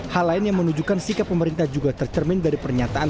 hal lain yang menunjukkan sikap pemerintah juga tercermin dari pernyataan